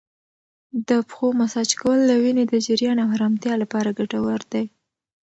د پښو مساج کول د وینې د جریان او ارامتیا لپاره ګټور دی.